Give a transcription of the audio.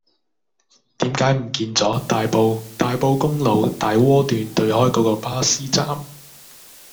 點解唔見左大埔大埔公路大窩段對開嗰個巴士站